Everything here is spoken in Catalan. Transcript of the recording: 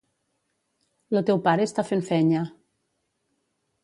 Lo teu pare està fent fenya.